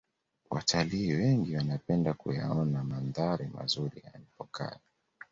Watalii wengi wanapenda kuyaona mandhari mazuri ya empokai